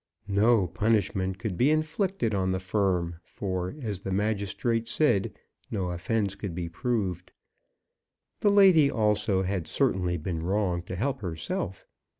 No punishment could be inflicted on the firm, for, as the magistrate said, no offence could be proved. The lady, also, had certainly been wrong to help herself.